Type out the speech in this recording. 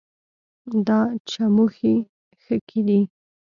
دا چموښي ښکي دي